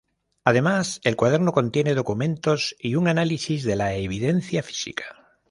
Además, el cuaderno contiene documentos y un análisis de la evidencia física.